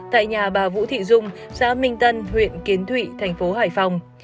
tại nhà bà vũ thị dung xã minh tân huyện kiến thụy thành phố hải phòng